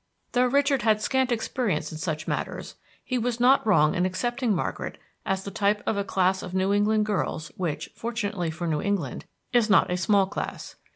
Though Richard had scant experience in such matters, he was not wrong in accepting Margaret as the type of a class of New England girls, which, fortunately for New England, is not a small class.